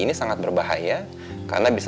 nih sholat dulu